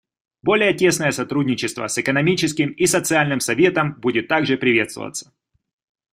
Более тесное сотрудничество с Экономическим и Социальным Советом будет также приветствоваться.